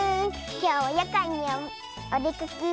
きょうはやかんにおでかけ。